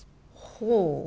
ほう。